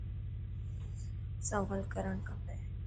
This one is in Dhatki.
سوال ڪرڻ کٽي.